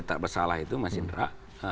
tak bersalah itu mas indra